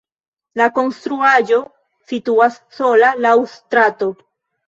La konstruaĵo situas sola laŭ strato.